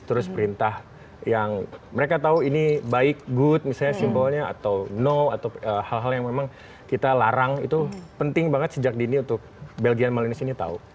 terus perintah yang mereka tahu ini baik good misalnya simbolnya atau no atau hal hal yang memang kita larang itu penting banget sejak dini untuk belgian malines ini tahu